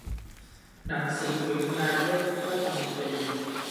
หนังสือถึงนายกรัฐมนตรี